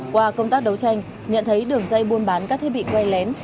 qua công tác đấu tranh nhận thấy đường dây buôn bán các thiết bị quay lén